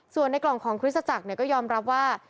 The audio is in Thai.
ส่วนในกล่องของคริสตจักรก็ยอมรับว่า